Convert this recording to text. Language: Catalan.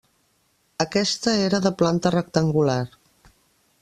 Aquesta era de planta rectangular.